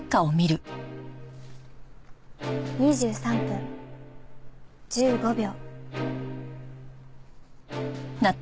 ２３分１５秒。